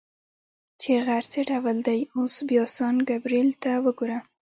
چې غر څه ډول دی، اوس بیا سان ګبرېل ته وګوره.